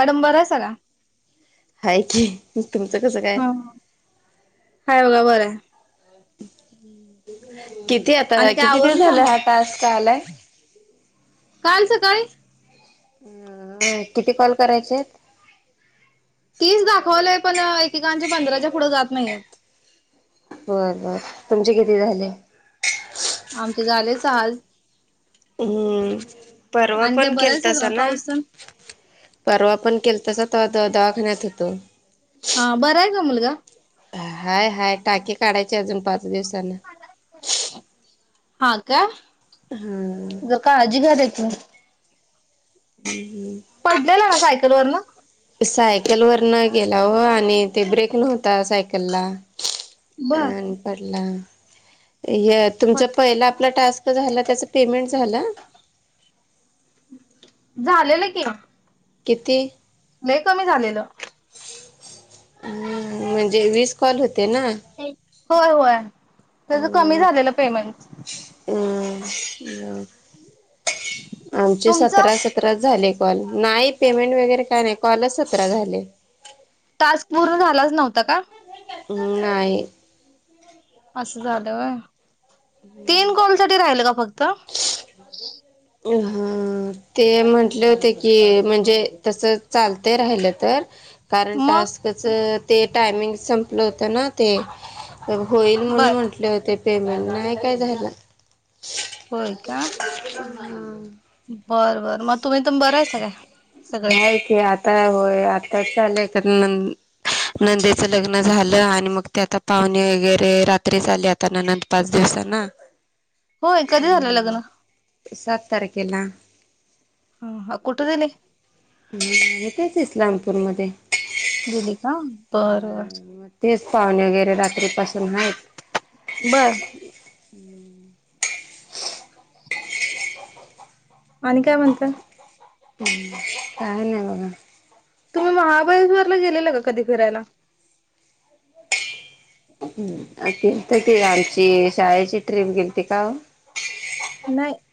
Madam बर आहे सगं हय की तुमचं कसं काय हा हाय बघा बरं किती आता आणि काय किती दिस आवरली झाला कामं? हा टास् कालाय काल सकाळी हम् किती कॉल करायचे आहेत तीच दाखवलंय पण एकेकांच्या पंधराच्या पुढे जात नाहीयत बर बर तुमचे किती झाले आमचे झालेच आज हम्म परवा आणि काय पण बरं केल आहे तसा सगळं ना पाऊस तेन? परवा पण केल तस दवाखान्यात होेतो हा बरं आहे का मुलगा हाय, हाय टाके काढायचे, अजून पाच दिवसांन हा का हा. ज का आजी घर हेेत न. हूं हूं! पडलेलं ना सायकल वरन. सायकल वर न गेला हो, आणि ते ब्रेक नव्हता सायकलला बर अन पडला य तुमच बर पहिला आपला टास्क झाला त्याच पेमेंट झाल. झालेलं की. किती? लई कमी झालेलं. अ म्हणजे वीस कॉल होते ना? होय, होय त्याच कमी झालेलं पेमेंट. हं! आमचे तुमचं? सतरा, सतरा झाले कॉल, नाही पेमेंट वगैरे काय नाही, कॉलच सतरा झाले. टास्क पूर्ण झालाच नव्हता का? हूं नाही. असं झालं व्हयं तीन कॉल साठी राहिल का फक्त अ हा. ते म्हंटले होते की म्हणजे तस चालतय राहिलं तर कारण मग टास्कच ते टायमिंग संपलं होतं ना ते होईल म्हणून बर म्हटले होते पेमेंट, नाही काय झाल. होय का. हम बरं बरं म तुम्ही त बरं आहेसा काय सगळे? नाही की आता होय आताच आलंय कनन नंदेचं लग्न झालं आणि मग ते आता पाहुणे वगैरे रात्री च आले आता ननंद पाच दिवसा न होय कधी झालं लग्न? हूं सात तारखेला हम कुठुनलाय ह तेच इस्लामपूरमध्ये. दिली का बरबर. मग तेच पाहुणे वगैरे रात्रीपासून आहेत. बरं. आणि काय म्हणता? हूं काय नाही म्हणा. तुम्ही महाबळेश्वरला गेलेल का कधी फिरायला. तिथं ती आमची शाळेची ट्रीप गेलती काओ. [inaudible]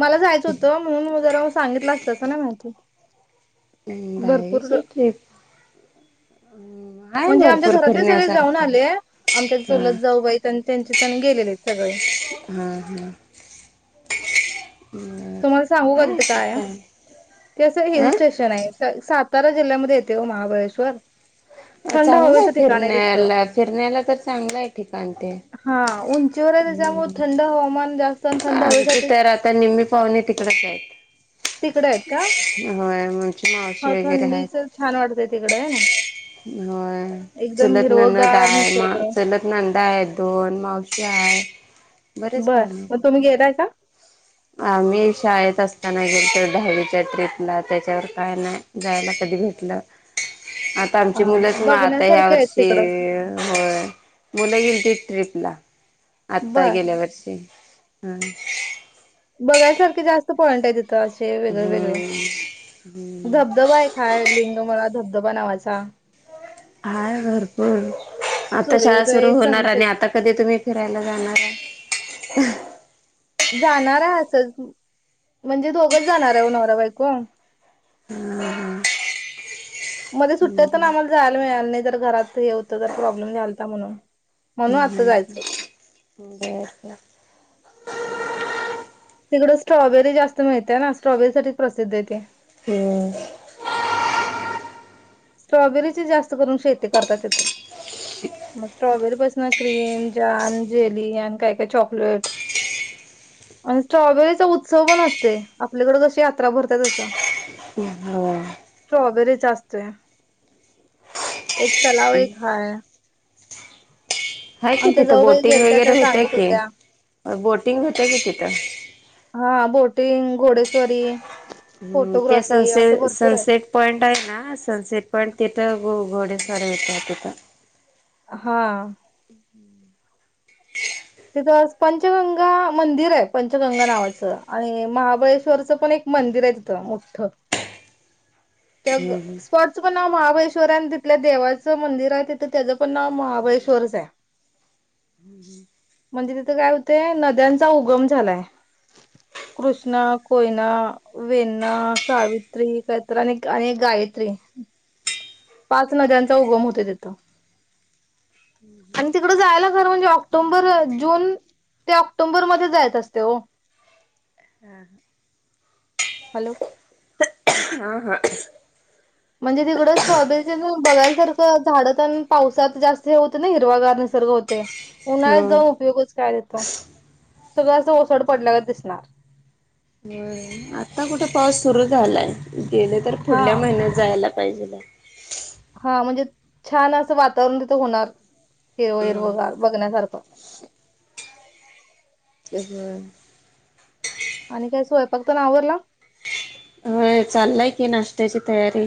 मला जायचं होतं, म्हणून म जरा सांगितलं असतंसं ना आणखी. बाहेची ट्रिप आहे म्हणजे आमच्या भरपूर घरातले सगळे जाऊन फिरण्यासारखं आले, आमच्या हा चूलत जाऊबाई त्यांचे त्यांन गेलेले सगळे. हं हं! तुम्हाला सांगू का तिथे काय आहे, ते असं हिल अं स्टेशन आहे. सातारा जिल्ह्यामध्ये येते ओ महाबळेश्वर. थंड चांगलं आहे हवेचं ठिकाण तिथं फिरण्याला, फिरण्याला तर चांगलं आहे ठिकाण ते. हा उंचीवर त्याच्यामुळ थंड हवामान जास्त आणि थंड आमचे हवेसाठी तर आता निम्मी पाहुणे तिकडच आहेत. तिकडे आहेत का होय आमची मावशी हो वगैरे आहेत. थंडीच छान वाटतंय तिकडं आहे ना होय एकदम चूलत नणंद हिरवगार आहे मा निसर्ग चूलत नंदा आहे दोन मावशी आहे बरेच बर पाहुणे मग तुम्ही गेलाय का? आम्ही शाळेत असताना गेलतो दहावीच्या ट्रिपला त्याच्यावर काय नाही. जायला कधी भेटल. आता हा आमची हा मुलंच म आता ह्या बघण्यासारखे आहेत वर्षी तिकडं होय मुलं गेलतीत ट्रिपला आता बर गेल्या वर्षी बघायसारखे जास्त पॉइंट आहे तिथं असे वेगळे वेगळे हम्म धबधबा आहे. लिंग माळा धबधबा नावाचा हाय भरपूर आता शाळा सुरू सूर्योदय होणार आणि सनसेट आता कधी तुम्ही फिरायला जाणार? जाणार आहे असच म्हणजे दोघंच जाणार आहे नोरा बायको. हम्! मध्ये सुट्ट्या तर ना आम्हाला जायला मिळाल नाही जर घरात हे होतं तर प्रॉब्लेम झालता म्हणून. म्हणून आता जायचं होत. बर बर. तिकडं स्ट्रॉबेरी जास्त मिळतेय ना स्ट्रॉबेरी साठीच प्रसिद्ध आहेे ते. हम्. स्ट्रॉबेरीची जास्त करून शेती करतात तिथ, मग स्ट्रॉबेरी पासून क्रीम जाम जेली आणि काय काय चॉकलेट आणि स्ट्रॉबेरीचा उत्सव पण असते आपल्याकडे कशी यात्रा भरते तसं. हो. स्ट्रॉबेरीच असते. एक तलाव एक हाय हाय कि आमच्या तिथं जाऊबाई बोटिंग गेलत्या त्या वगैरे होतं सांगत होत्या की बोटिंग होतय कि तिथं. हा बोटिंग घोडेस्वारी हम्म ते फोटोग्राफी सनसे असं भरपूर आहे सनसेट पॉईंट आहे ना सनसेट पॉईंट तिथं घोडंसवरी येत आहे तिथं. हा! [inaudible] तिथं पंचगंगा मंदिर आहे पंचगंगा नावाचं आणि महाबळेश्वरचं पण एक मंदिर आहे तिथं मोठं. [inaudible] त्या हम्म स्पॉट च पण नाव महाबळेश्वर आहे, आणि तिथल्या देवाचं मंदिर आहे तिथं त्याचं पण नाव महाबळेश्वरच आहे. [inaudible] म्हणजे तिथं काय होते नद्यांचा उगम झालाय. कृष्णा, कोयना वेना, सावित्री कायत्र आणि गायत्री पाच नद्यांचा उगम होते तिथं, आणि तिकड जायला खरं म्हणजे ऑक्टोबर जून ते ऑक्टोंबरमध्ये जायच असते ओ. हां हा! हॅलो! हा हा. म्हणजे तिकडं स्ट्रॉबेरी बघयसारखं झाडं आणि पावसात जास्त हे होते ना हिरवा गार निसर्ग होतय. उन्हाळ्यात हम्म जाऊन उपयोगच काय तिथ सगळं असं ओसड पडल्याला दिसणार. हो आता कुठे पाऊस सुरू झालाय गेले तर हा पुढल्या महिन्यात जायला पाहिजेलाय. हा म्हणजे छान असं वातावरण तिथं होणार हिरव हिरव हम्म गार बघण्यासारखं [unintelligible] आणि काय स्वयंपाकत आवरल? होय चाललाय की नाष्ट्याची तयारी.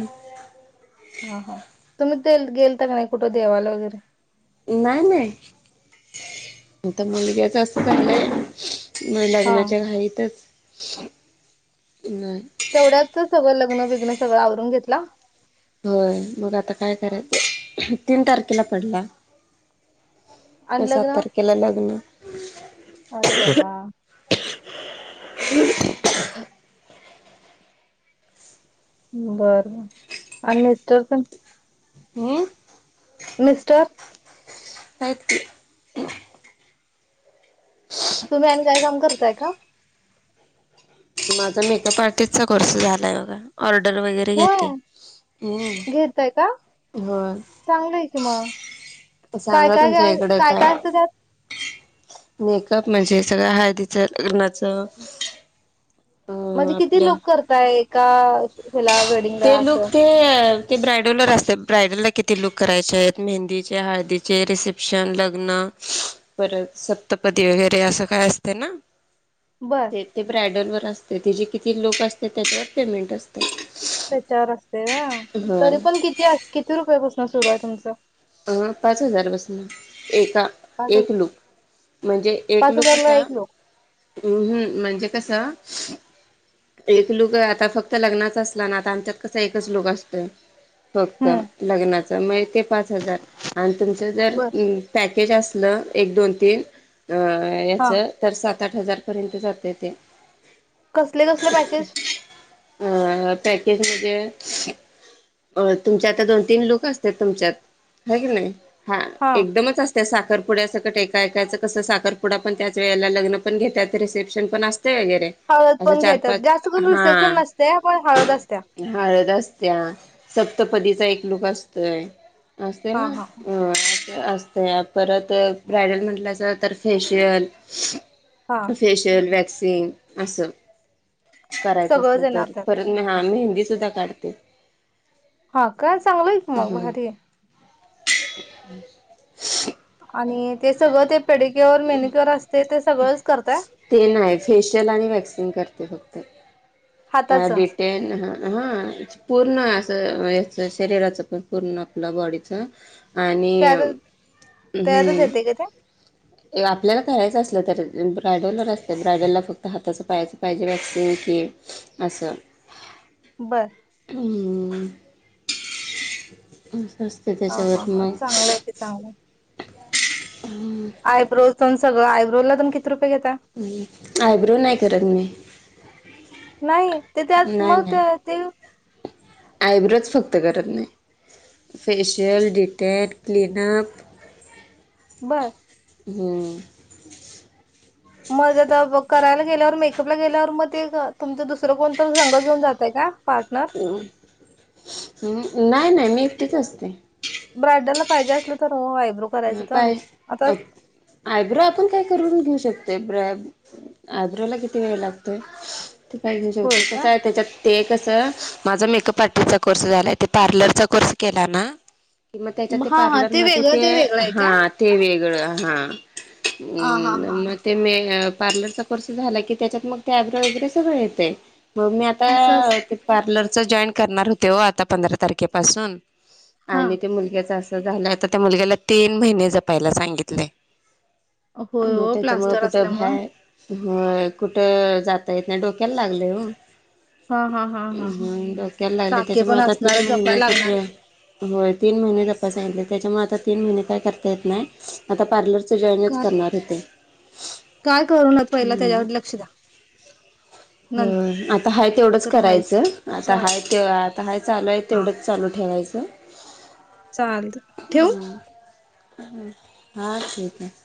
हा ह तुम्ही ते गेल तर का नाही कुठं देवाला वगैरे? नाही नाही [unintelligible] म हा लग्नाच्या घईतच नाही. तेवढ्याच सगळं लग्न विघ्न सगळं आवरून घेतला. होय मग आता काय कराय तीन तारखेला पडला. अन सात लग्न तारखेला लग्न अरे बाबा [inaudible] बर आणि मिस्टर पण. हं मिस्टर आहेत. तुम्ही आणि काय काम करताय का? माझा मेकअप आर्टिस्टचा कोर्स झालाय बघा ऑर्डर वगैरे घेते. होय ह घेतय का होय. चांगलंय की मग काय सांगा काय तुमच्या इकडं काय? असतं त्यात मेकअप म्हणजे सगळं हळदीचं लग्नाचं अ म्हणजे किती आपल्या लोक करताय काय वेळ. ते लुक ते ते ब्रायडलवर असते ब्रायडलला किती लूक करायचे आहेत मेहंदीचे हळदीचे रिसेप्शन लग्न परत सप्तपदी वगैरे असं काय असते ना. बर ते ते ब्रायडल वर असते ते जे किती लोक असते त्याच्यावर पेमेंट असते. त्याच्यावर असते वा होय तरी पण किती किती रुपयापासन सुरू आहे तुमचं? पाच हजारपासून एका पाच हजार एक लूक. म्हणजे एक पाच लुक हजारला कसा एक लोक हम म्हणजे कस. एक लुक आता फक्त लग्नाच असला ना आता आमच्यात कसा एकच लुक असतो. फक्त हम्म लग्नाच म्ह ते पाच हजार आणि तुमच जर बर पॅकेज असलं एक दोन तीन हा याचं. तर सात आठ हजारपर्यंत जात ते. कसले कसले पॅकेज अ पॅकेज म अ तुमच्या आता दोन तीन लोक असतात तुमच्यात ह की नाही हा एकदमच असत त्या साखरपुड्या सं कट एकाऐकाचं कसं साखरपुडा पण त्याच वेळेला लग्न पण घेतात रिसेप्शन पण असते वगैरे हळद असं पण चार घेतात पाच जास्त करून रिसेप्शन हा नसते पण हळद असत हळद असत्या सप्तपदीचा एकलूक असतोय अस असते हा ना हा अस परत ब्रायडल म्हट तर फेश हा सगळंच येणार त्यात [unintelligible] हा मी हिंदी सुद्धा काढते हा काय चांगलं आहे क मग भारी हम् आणि ते सगळं ते पेडक्युअर मेनक्युअर असते ते सगळंच करतय ते नाही फेशियल आणि वॅक्सिंग करते फक्त हाताचं ते ह हा पूर्ण असं याच शरीराच पण पूर्ण आपलं बॉडीच. आणि त्यात त्यातच येते का ते आपल्याला करायचं असलं तर ब्रायडलला र असत ब्रायडलला फक्त हाताचं पायाचं पाहिजे वॅक्सिंग कि अससं बरं स् हा हा हा चांगलं आहे ते चांगलं आयब्रो पण सगळं आयब्रो ला तण किती रुपये घेता आयब्रो नाही करत मी नाही तेथ मग नाही नाही ते ते आयब्रोच फक्त करत नाही फेशिल डिटेन क्लीनप बरं हो मग आता करायला गेल्यावर मेकअपला गेल्यावर मग ते तुमचं दुसरं कोण तर संघ घेऊन जातय का पार्टनर अ हम् नाही नाही मी एकटीच असते ब्राडरला पाहिजे असलं तर वायब्रो करायचं तरण पाय आता आयब्रो आपण काय करून घेऊ शकतो ब आयब्रो ला किती वेळ लागतोय ते पाहि श होत होय कसं का आहे त्याच्यात ते कसं माझा मेकअप आर्टिस्टचा कोर्स झालाय ते पार्लरचा कोर्स केला ना किंवा त्याच्या ते हा हा ते वेगळं पार्लरमध्येध्ये ते वेगळं आहे का वेग ह हा हा हा हा प्लर र् झाला की त्याच्यात मग टॅब्र वगरे सगळ येत मग मी असं आता अस पार्लर च जॉईन करणार होते हो आता पंधरा तारखेपासून हा आणि ते मुलग्याच अस झालं आता त्या मुलग्याला तीन महिने जपायला सांगितले होय मग हो त्याच्यामुं प्लास्टर कुठं असल्यामुळे भय हो कुठं जाता येत नाही डोक्याला लागले हो हा हा हा हा हा डोक्याला लागले टाके त्याच्यामुळे पण आता असणार तीन जपाय महिने कुठ्र लागणार होय तीन महिने तपाासले त्याच्यामुळे आता तीन महिने काय करता येत नाही आता पार्लर न करणार होते काय करून पहिला त्याच्यावर लक्ष द्या नंतर हो आता हाय तेवढंच आहेच की करायचं आता हाय चालत ते आता हा चालू आहे हा तेवढंच चालू ठेवायचं चाल ठेव हा ठीक आहे